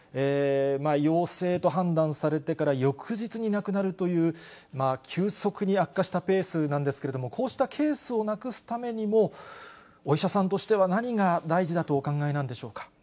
陽性と判断されてから翌日に亡くなるという急速に悪化したケースなんですけれども、こうしたケースをなくすためにも、お医者さんとしては何が大事だとお考えなんでしょうか。